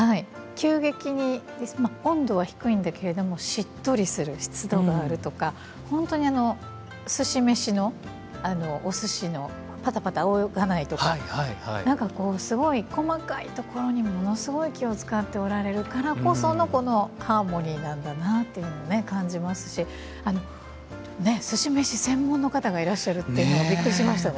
急激に温度は低いんだけれどもしっとりする湿度があるとか本当にすし飯のお寿司のパタパタあおがないとか何かすごい細かいところにものすごい気を遣っておられるからこそのこのハーモニーなんだなっていうのを感じますしすし飯専門の方がいらっしゃるっていうのびっくりしましたね。